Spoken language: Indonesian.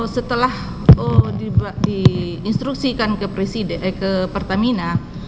setelah di instruksikan ke pertamina